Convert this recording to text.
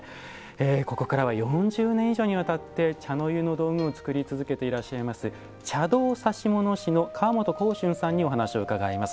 ここからは４０年以上にわたって茶の湯の道具を作り続けていらっしゃいます茶道指物師の川本光春さんにお話を伺います。